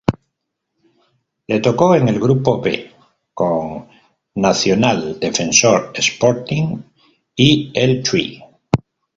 Le tocó en el grupo B, con Nacional, Defensor Sporting y el Chuy.